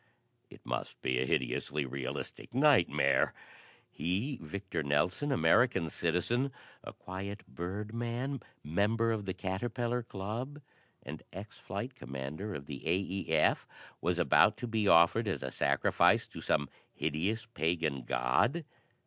It must be a hideously realistic nightmare! He, Victor Nelson, American citizen, a quiet birdman, member of the Caterpillar Club and ex flight commander of the A. E. F. was about to be offered as a sacrifice to some hideous, pagan god?